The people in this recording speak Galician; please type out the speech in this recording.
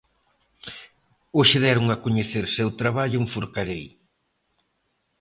Hoxe deron a coñecer seu traballo en Forcarei.